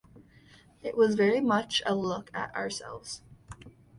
It was very much a look at ourselves.